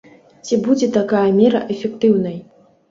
Ці будзе такая мера эфектыўнай?